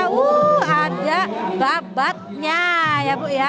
wuh ada babatnya ya bu ya